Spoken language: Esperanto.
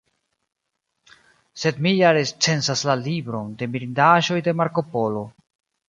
Sed mi ja recenzas La libron de mirindaĵoj de Marko Polo.